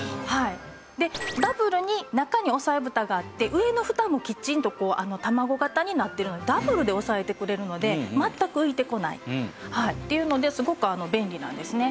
ダブルに中に押さえブタがあって上のフタもきちんとたまご型になってるのでダブルで押さえてくれるので全く浮いてこないっていうのですごく便利なんですね。